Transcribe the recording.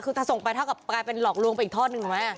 คือถ้าส่งไปเท่ากับกลายเป็นหลอกลวงไปอีกทอดหนึ่งถูกไหม